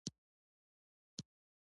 جنت ځای وي د هغو چي کوي صبر